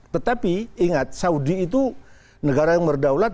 tetapi ingat saudi itu negara yang berdaulat